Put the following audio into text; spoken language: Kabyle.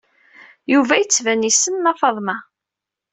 Yuba yettban yessen Nna Faḍma.